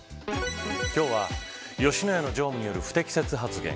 今日は吉野家の常務による不適切発言。